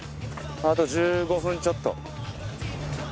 あと１５分ちょっと。